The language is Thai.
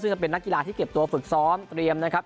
ซึ่งก็เป็นนักกีฬาที่เก็บตัวฝึกซ้อมเตรียมนะครับ